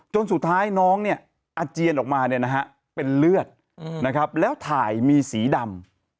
สุดท้ายน้องเนี่ยอาเจียนออกมาเป็นเลือดนะครับแล้วถ่ายมีสีดำ